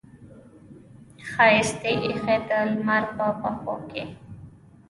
ښایست یې ایښې د لمر په پښو کې